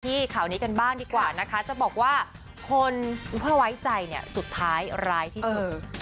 ข่าวนี้กันบ้างดีกว่านะคะจะบอกว่าคนเพื่อไว้ใจเนี่ยสุดท้ายร้ายที่สุด